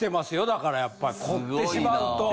だからやっぱり凝ってしまうと。